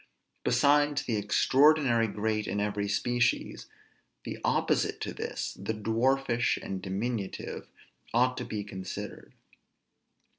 Besides the extraordinary great in every species, the opposite to this, the dwarfish and diminutive, ought to be considered.